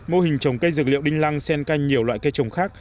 mô hình trồng cây dược liệu đinh lăng sen canh